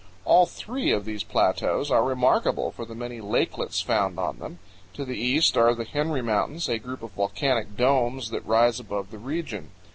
All three of these plateaus are remarkable for the many lakelets found on them. To the east are the Henry Mountains, a group of volcanic domes that rise above the region.